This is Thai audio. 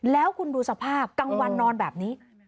แล้วคุณดูสภาพกลางวันนอนแบบนี้